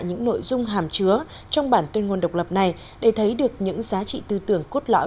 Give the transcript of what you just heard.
những nội dung hàm chứa trong bản tuyên ngôn độc lập này để thấy được những giá trị tư tưởng cốt lõi